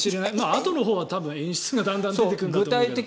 あとのほうは多分演出がだんだん出てくるんだろうけど。